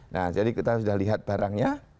nah jadi kita sudah lihat barangnya